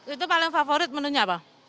itu paling favorit menunya apa